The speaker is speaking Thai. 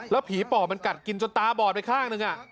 ผีปอบมันกัดกินจนตาบอดไปข้างหนึ่ง